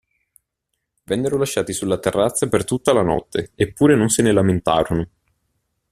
Vennero lasciati sulla terrazza per tutta la notte, eppure non se ne lamentarono.